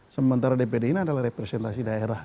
sementara dpd ini adalah representasi daerah